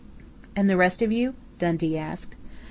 "And the rest of you?" Dundee asked.